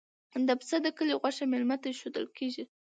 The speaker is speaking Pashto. د پسه د کلي غوښه میلمه ته ایښودل کیږي.